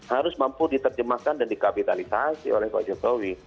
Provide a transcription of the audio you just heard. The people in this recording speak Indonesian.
harus mampu diterjemahkan dan di kapitalisasi oleh pak jokowi